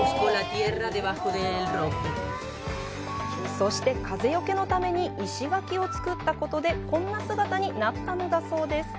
そして、風よけのために石垣をつくったことでこんな姿になったのだそうです。